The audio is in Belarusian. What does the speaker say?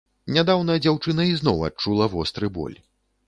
Нядаўна дзяўчына ізноў адчула востры боль.